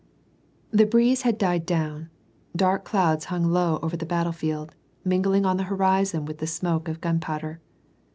The breeze had died down ; dark clouds hung low over the battlefield, mingling on the horizon with the smoke of gun powder.